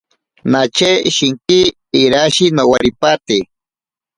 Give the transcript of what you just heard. Nache shinki irashi nowaripate.